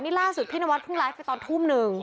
นี่ล่าสุดพี่นวัดเพิ่งไลฟ์ไปตอนทุ่มหนึ่ง